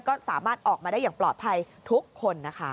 ก็สามารถออกมาได้อย่างปลอดภัยทุกคนนะคะ